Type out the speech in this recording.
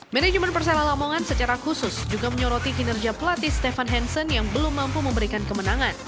manajemen persela lamongan secara khusus juga menyoroti kinerja pelatih stefan hansen yang belum mampu memberikan kemenangan